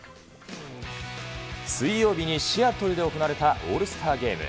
水曜日にシアトルで行われたオールスターゲーム。